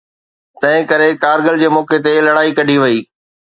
تنهن ڪري ڪارگل جي موقعي تي لڙائي ڪڍي وئي.